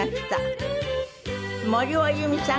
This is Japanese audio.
森尾由美さん